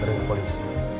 udah sering ke polisi